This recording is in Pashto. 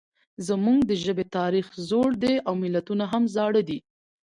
زموږ د ژبې تاریخ زوړ دی او متلونه هم زاړه دي